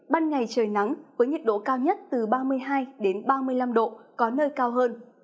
ban ngày trời nắng với nhiệt độ cao nhất từ ba mươi hai ba mươi năm độ có nơi cao hơn